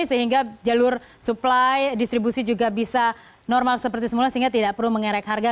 sehingga jalur supply distribusi juga bisa normal seperti semula sehingga tidak perlu mengerek harga